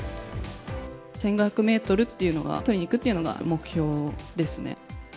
１５００メートルっていうのが、取りに行くというのが目標ですね。